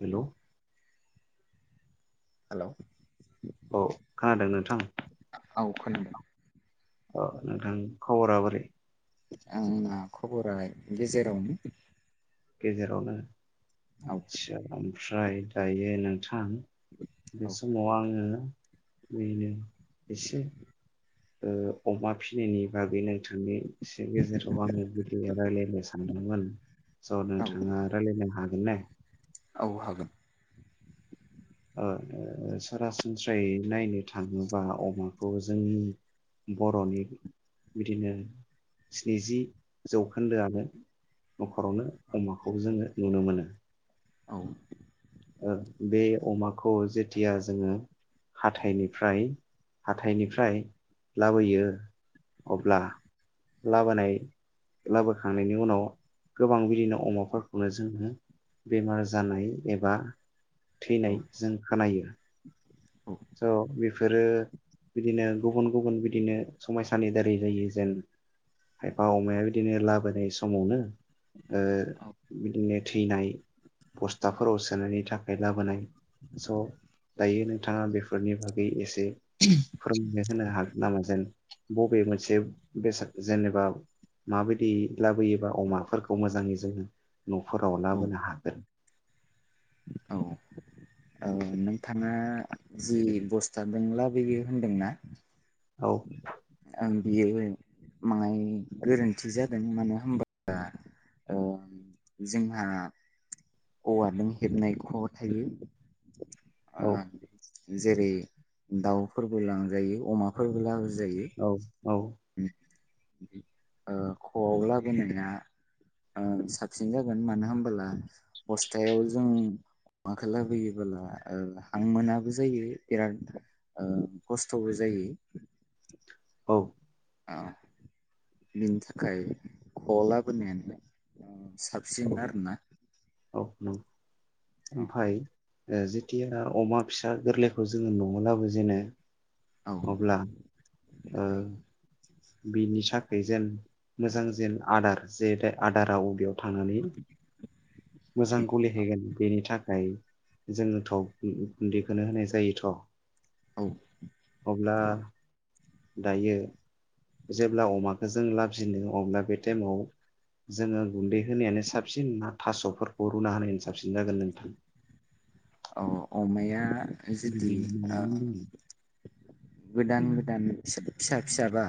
Hello hello औ खोनादों नों थां औ खोनादों। औ नोंथां खबरा बोरै आंना खबरा गेजेरावनो। गेजेरावनो। औ आदसा ओमफ्राय दायो नोंथां‌ बे औ समाव आंङो बेनो एसे ओ अमा फिनायनि बागै नोंथांनि से गेजेराव आङो बिदि रायलायनो सानदोंमोन। स' औ नोंथाङा रायलायनो हागोन ने? औ हागोन। ओ सरासनस्रायै नायनो थाङोबा अमाखौ जोंनि बर' नि बिदिनो स्निजि जौखोन्दोआनो नखरावनो अमाखौ जोङो नुनो मोनो। औ ओ बे अमाखौ जेथिया जोङो हाथाइनिफ्राय हाथाइनिफ्राय लाबोयो अब्ला लाबोनाय लाबोखांनायनि उनाव गोबां बिदिनो अमाफोरखौनो जोङो बेमार जानाय एबा बा औ थैनाय जों खोनायो। औ स बेफोरो बिदिनो गुबुन गुबुन बिदिनो समयसानि दारै जायो जेन खायफा अमाया बिदिनो लाबोनाय समावनो ओ बिदिनो थैनाय बस्थाफोराव सोनायनि थाखाय लाबोनाय स दायो नों नथाङा बेफोरनि बागै एसे फोर होनो हागोन नामा जेन बबे मोनसे बेसाद जेनेबा माबायदि लाबोयोबा अमाफोरखौ मोजाङै जोङो न' फोराव औ लाबोनो हागोन। औ नोंथाङा जि बस्थादों लाबोयो होनदोंना? औ आं बियो माहाय गोरोन्थि जादों मानो होनबा ओ जोंहा औवाजों हेबनाय ख' थायो। आ औ जेरै दाउफोरबो लांजायो अमाफोरबो लाबो औ औ ओ ख' आव लाबोनाया ओ साबसिन जागोन मानो होमबोला बस्थायाव जों अमाखौ लाबोयोबोला हां मोनाबो जायो बिराद खस्थबो जायो। औ औ बिनि थाखाय ख'लाबोनायानो साबसिन औ आरोना। औ नंगौ ओमफाय जेथिया अमा फिसा गोरलैखौ जोङो न'आव लाबो जेननो औ अब्ला ओ बिनि थाखाय जेन मोजां जेन आदार जे आदारा अबेयाव थानानै मोजां गलिहैगोन बेनि थाखाय जोङो थाव गुन्दैखोनो होनाय औ जायोथ। अब्ला दायो जेब्ला अमाखौ जों लाबजिनो अब्ला बे टाइमाव जोङो गुन्दै होनायानो साबसिन ना थासफोरखौ रुना होनायानो साबसिन जागोन नोंथां? अ अमाया न'नि [unintelligible] गोदान गोदान फिसा फिसाबा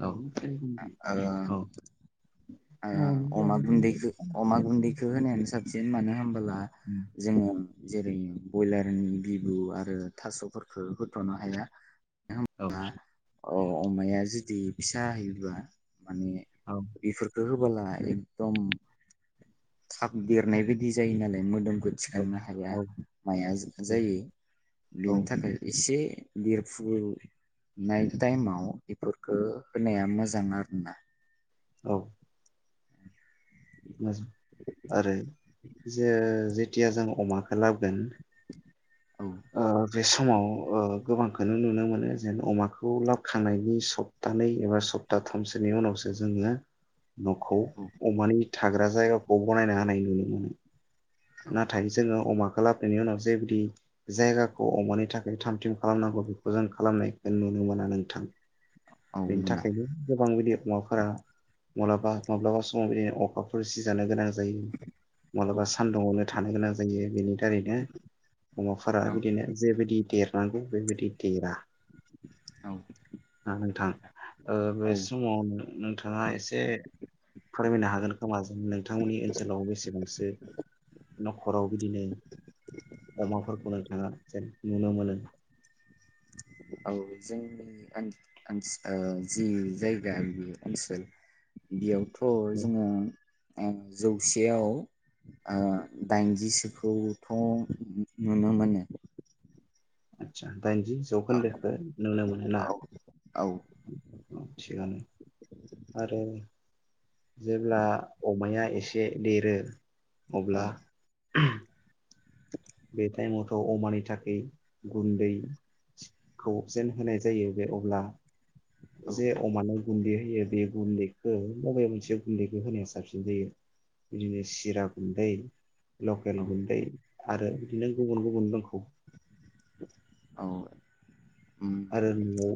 औ ओ औ ओ अमा न'नि बुन्दैखो अमा औ गुन्दैखो होनायानो साबसिन मानो होनबोला जोङो जेरै ब्रयलारनि बि आरो थासफोर हो-होथनो हाया नङा औ होमबा अ अमाया जुदि फिसाहोयोब्ला माने औ बेफोर होबोला एकदम थाब देरनाय बायदि जायो नालाय मोदोमखौ थिखांनो औ हाया माइआ जायो औ बेनि थाखाय एसे देरफु नाय टाइमाव बेफोरखो होनाया मोजां आरो ना औ मोजां आरो जे-जेथिया जों अमाखो लाबोगोन औ ओ बे समाव ओ गोबांखौनो नुनो मोनो जेन अमाखौ लाबखांनायनि सप्तानै एबा सप्तााथामसोनि उनावसो जोङो न'खौ औ अमानि थाग्रा जायगाखौ बनायनो हानाय नुनो मोनो औ नाथाय जोङो अमा खो लाबोनायनि उनाव जेबायदि जायगाखौ अमानि थाखाय थाम थिम खालामनांगौ बेखौ जों खालामनायखौ नुनो मोना नोंथां औ बेनि मोना थाखायनो गोबां बिदि अमाफोरा माब्लाबा माब्लाबा समाव बिदिनो अखाफोर सिजानो गोनां ज जायो औ मालाबा सान्दुंआवनो थानो गोनां जायो बेनि थारैनो अमाफोरा औ बिदिनो जेबायदि देर [unintelligible] बेबादि देरा औ ना नोंथां ओ बे समाव नोंथाङा एसे फोरमायनो हागोन खोमा जे नोंथांमोननि ओनसोलाव बेसेबांसो नखराव बिदिनो औ औ अमाफोरखौ नोंथाङा जेन नुनो मोनो। औ जोंनि ओन-ओनस ओ जि जायगा बे ओनसोल बियाव थ जोङो ओ जौसेयाव ओ दाइनजिसोखौथ नुनो मोनो। आदसा दाइनजि औ जौखोन्दोखो नुनो मोनो ना औ औ औ थिगानो। आरो जेब्ला अमाया एसे देरो औ अब्ला बे टाइमावथ अमानि थाखै गुन्दैखौ जेन होनाय जायो बे अब्ला जे अमानो गुन्दै होयो बे गुन्दैखौ बबे मोनसे गुन्दैखौ होनाया साबसिन जायो? बिदिनो सिरा गुन्दै लकेल गुन्दै आरो बिदिनो गुबुन गुबुन दं [unintelligible] औ उम आरो न'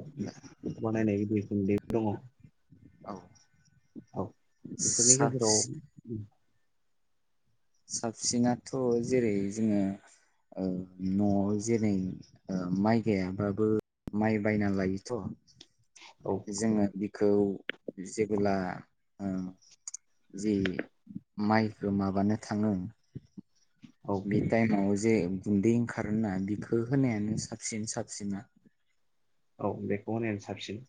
बानायनाय गुन्दैबो दङ' औ औ बेफोरनि साबस गेजेराव साबसिनाथ' जेरै जोङो ओ न'आव जेरै माइ गायाबाबो माइ बायना लायोथ' औ जोङो बे खौ जेबोला उम जि माइखौ माबानो थाङो औ बि टाइमाव जे गुन्दै ओंखारो ना बिखौ होनायानो साबसिन साबसिना औ बेखौ होनायानो साबसिन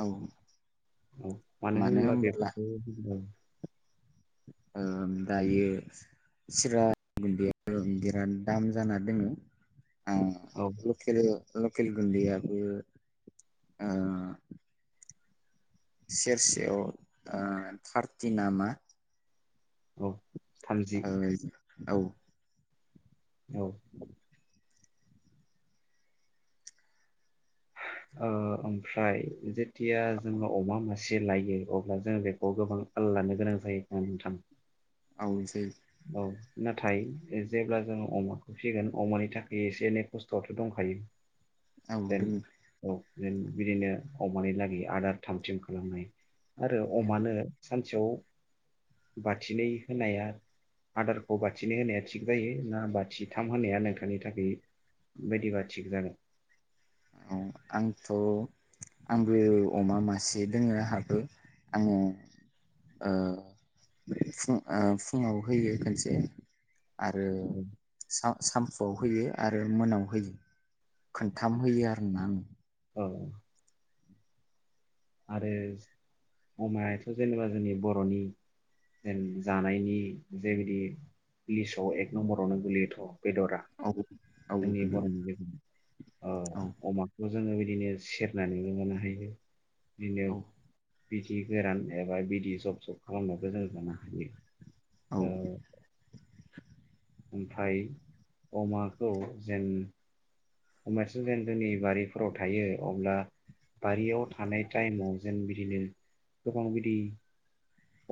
औ औ मानो होनब्ला बेखौ ओ दायो सिरा गुदिया बिराद दाम जाना दोङो आ औ लखेल लकेल गुनदैयाबो ओ सेरसेयाव ओ थारति नामा औ थामजि औ औ ओ ओमफ्राय जे तिया जोंना अमा मा एसे लायो अब्ला जों बेखौ गोबां आल लानो गोनां जायो औ नोंथां औ जे औ नाथाय जेब्ला जोंङो अमाखौ फिसिगोन अमानि थाखाय एसे एनै खस्थ'आथ' दंखायो औ दोन दोङो औ जों बिदिनो अमानि लागै आदार थाम थिम खालामनाय आरो औ अमानो सानसेयाव बाथिनै होनाया आदारखौ बाथिनै होनाया थिग जायो ना बाथिथाम होनाया नोंथांनि थाखाय बायदिबा थिग जागोन औ आंथ' आंबो अमा मासे दोङो आंहाबो आङो ओ फु ओ फुङाव होयो खोनसे आरो सा सामफुआव होयो आरो मोनाव होयो खोनथाम होयो आरोना आं औ आरो अमायाथ' जेनेबा जोंनि बर'नि जेन जानायनि जेबायदि लिसटआव एक नम्बरावनो गोलैयोथ' बेद'रा औ औ जोंनि गोलैयो बर'नि [unintelligible] ओ औ अमाखो जोङो बिदिनो सेरनानै लानो हायो बिनो औ बिथि गोरान एबा बिदि जब सब खालामनायाबो जों जानो हायो औ ओ ओमफ्राय अमाखौ जेन अमसि जेन जोंनि बारिफोराव थायो अब्ला बारियाव थानाय टाइमाव जेन बिदिनो गोबां बिदि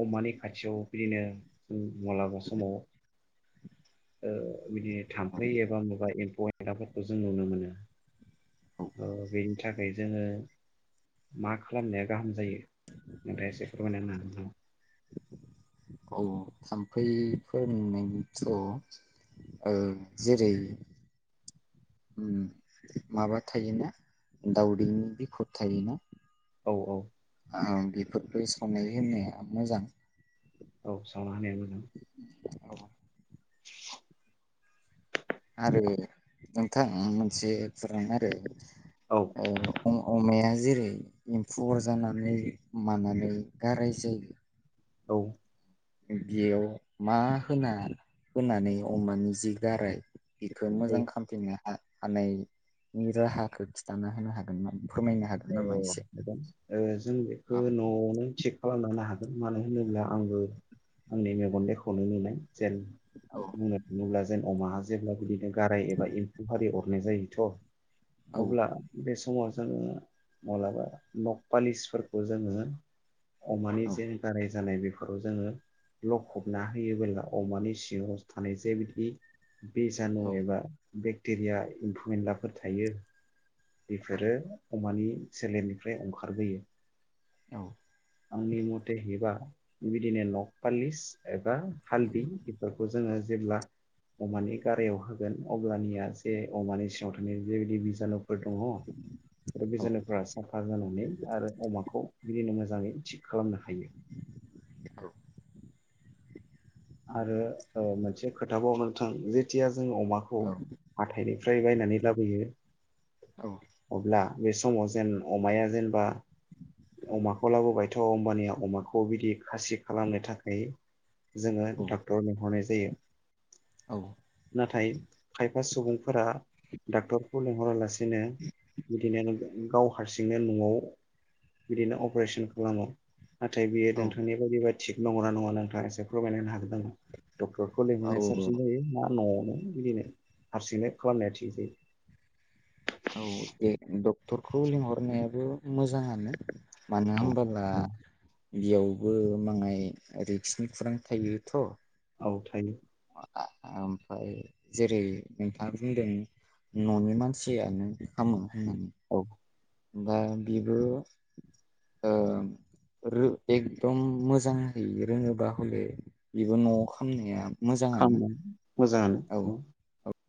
अमानि खाथियाव बिदिनो जों मलाबा समाव ओ बिनि थामफै एबा माबा एमफौ [unintelligible] जों नुनो मोनो। अ बेनि था ओ जोङो मा खालामनाया गाहाम जायो नोंथाङा एसे फोरमायना होनो हागोन नामा? औ थाम्फैफोर नुनायनिथ जेरै माबा थायोना दावदैनि बिफद थायोना औ औ। आ बेफोरफोरखौ संनाय होननाया मोजां। औ सा [unintelligible] औ [inaudible] आरो नोंथां मोनसे फोर आरो औ ओ ओम अमाया जेरै एम्फौ अर जानानै मानानै गाराय जायो। औ। बेयाव मा होना होनानै अमानि जि गाराय बिखौ औ मोजां खालामफिननो हा हानायनि राहाखौ खिन्थाना होनो हागोना? औ म जों बेखौ औ नआवनो थिग खालामांनो हागोन, मानो होनोब्ला आंबो आंनि मेगन देखौनो नुनाय जेन औ बुंनो थाङोब्ला जेन अमा जेब्ला बिदिनो गाराय एबा एम्फौ आरारि अरनाय जायोथ। औ अब्ला बे समाज जोङो माबलाबा नकपालिसफोरखौ जोङो अ मानि औ जेन गाराय जानाय बे जोङो लखबना होयोबोला अमानि सिङाव थानाय जे बिदि बे जा नु औ एबा बेक्टेरिया एम्फौ एन्लाफोर थायो बेफोरो अमानि सोलेरनिफ्राय अंखारबोयो। औ। आंनि मथे हैबा बिदिनो नकपालिस हाल्द इफोर खौ जो जोङो जेब्ला अमानि गारायाव होगोन अब्लानिया जे अमानि सिङाव थानाय जेबायदि बिजानु फोर दङ औ बिजानुफ्रा साफा जानानै आरो अमाखौ बिदिनो मोजाङै थिग खालामनो हायो। औ आरो ओ मोनसे खोथााबाव नोंथां जेथिया जों अमाखौ औ हाथायदों फ्राय बायनानै लाबोयो अब्ला बे समाव जेन अमाया जेनेबा अमाखौ लाबोबायथ होमबानिया अमाखौ बिदि खासि खालामनो थाखै जोङो डाक्टर लेंहरनाय ज [unintelligible] औ नाथाय खायफा सुबुंफोरा डाक्टरखौ लेंंहरालासेनो बिदिनो गाव हारसिंनो नआव बिदिनो अपारेशन खालामो। नाथाय बेयो औ नोंथांनि बे बा थिग नंगौना नङा नोंथाङा एसे फोरमायना होनो हागोन दा नों डक्टरखौ लेंहरनाया औ साबसिन जायो ना नआवनो बिदिनो हारसिंनो खालामनाया थिग जायो। औ दे डक्टरखौ लिंहरनायाबो मोजाङानो मानो होमबोला बेयावबो माङाय रिक्सनि खुरां थायोथ औ थायो ओमफ्राय जेरै नोंथाङा बुंदों ननि मानसियानो खामो होनना औ दा बेबो ओ रो एकदम मोजाङै रोङोबा हले बेबो नआव खामनाया मोजाङानो खामनो औ मोजाङानो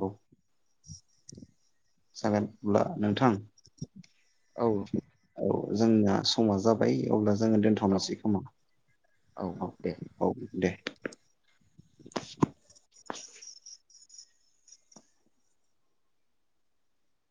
औ [inaudible] जागोन अब्ला नोंथां औ औ जोंना समा जाबाय अब्ला ज जोङो दोनथनोसै खोमा औ औ दे।